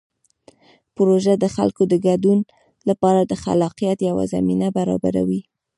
پروژه د خلکو د ګډون لپاره د خلاقیت یوه زمینه برابروي.